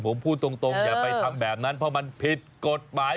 ผมพูดตรงอย่าไปทำแบบนั้นเพราะมันผิดกฎหมาย